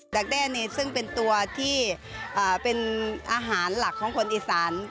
แด้นี่ซึ่งเป็นตัวที่เป็นอาหารหลักของคนอีสาน